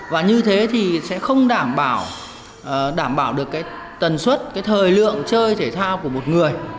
và như thế thì sẽ không đảm bảo được cái tần suất cái thời lượng chơi thể thao của một người